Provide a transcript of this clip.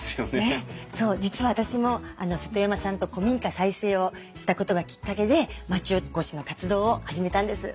そう実は私も瀬戸山さんと古民家再生をしたことがきっかけで町おこしの活動を始めたんです。